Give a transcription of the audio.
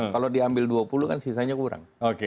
kalau diambil dua puluh kan sisanya kurang